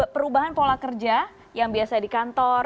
perubahan pola kerja yang biasa di kantor